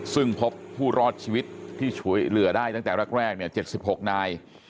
ซึ่งพบผู้รอดชีวิตที่ช่วยเหลือได้ตั้งแต่แรก๗๖นาย